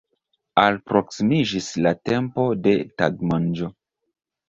Alproksimiĝis la tempo de tagmanĝo.